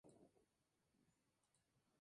La exhibe el Instituto de Arte de Chicago.